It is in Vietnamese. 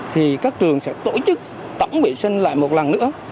thì các trường sẽ tổ chức tổng vệ sinh lại một lần nữa